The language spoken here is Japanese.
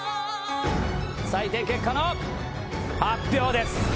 採点結果の発表です。